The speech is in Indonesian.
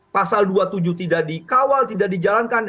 pasal dua puluh tujuh tidak dikawal tidak dijalankan